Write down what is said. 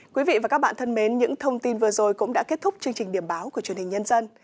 quý vị và các bạn thân mến những thông tin vừa rồi cũng đã kết thúc chương trình điểm báo của truyền hình nhân dân